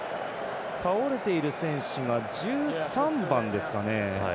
倒れている選手が１３番ですかね。